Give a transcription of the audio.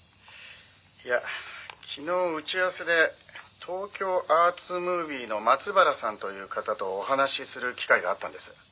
「いや昨日打ち合わせで東京アーツムービーの松原さんという方とお話しする機会があったんです」